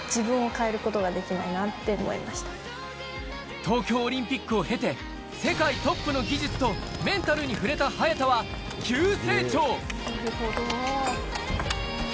東京オリンピックを経て、世界トップの技術とメンタルに触れた早田は急成長。